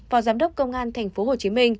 và giám đốc công an tp hcm